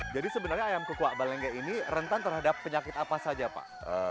jadi sebenarnya ayam kukuak balengga ini rentan terhadap penyakit apa saja pak